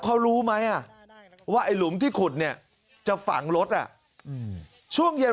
เขารู้ไหมว่าไอ้หลุมที่ขุดเนี่ยจะฝังรถช่วงเย็น